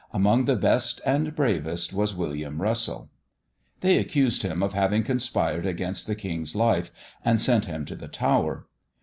Among the best and bravest was William Russell. They accused him of having conspired against the king's life, and sent him to the Tower.